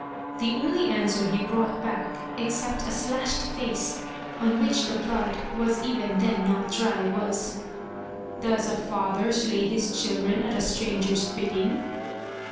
The only answer he brought back, except a slashed face on which the blood was even then not dry, was: "Does a father slay his children at a stranger's bidding?"